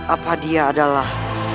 apa dia adalah